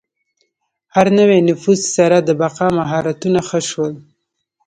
هر نوي نفوذ سره د بقا مهارتونه ښه شول.